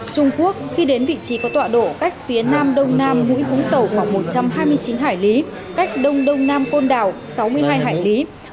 trung quốc khi đến vị trí có tọa độ cách phía nam đông nam mũi vũng tàu khoảng một trăm hai mươi chín hải lý cách đông đông nam côn đảo sáu mươi hai hải lý